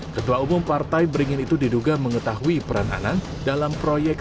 ketua umum partai beringin itu diduga mengetahui peran anang dalam proyek